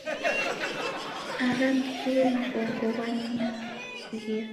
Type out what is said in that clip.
Ara nisuw'e mghongo, ghwaninyghia.